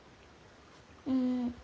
うん。